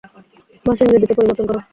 ভাষা ইংরেজিতে পরিবর্তন করো।